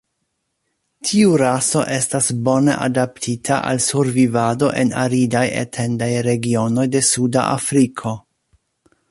Tiu raso estas bone adaptita al survivado en aridaj etendaj regionoj de Suda Afriko.